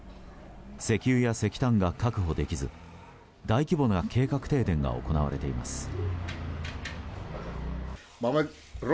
石油や石炭が確保できず大規模な計画停電が行われています。